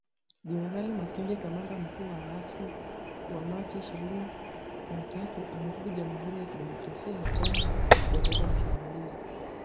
Jenerali Makenga kamanda mkuu wa waasi wa Machi ishirini na tatu amerudi Jamuhuri ya Kidemokrasia ya Kongo kuongoza mashambulizi